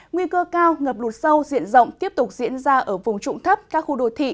nguy cơ cao ngập lụt sâu diện rộng tiếp tục diễn ra ở vùng trụng thấp các khu đồ thị